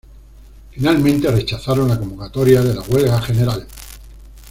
Finalmente rechazaron la convocatoria de la huelga general.